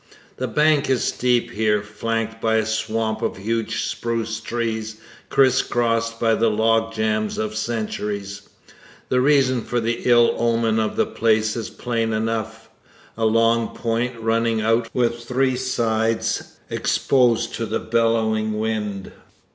The bank is steep here, flanked by a swamp of huge spruce trees criss crossed by the log jam of centuries. The reason for the ill omen of the place is plain enough a long point running out with three sides exposed to a bellowing wind.